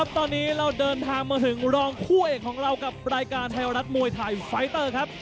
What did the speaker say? ตอนนี้เราเดินทางมาถึงรองคู่เอกของเรากับรายการไทยรัฐมวยไทยไฟเตอร์ครับ